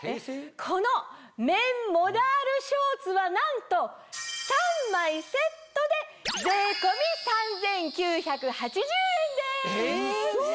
この綿モダールショーツはなんと３枚セットで税込み３９８０円です！